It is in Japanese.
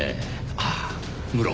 ああ無論